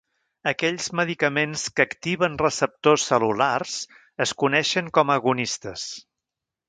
Aquells medicaments que activen receptors cel·lulars es coneixen com a agonistes.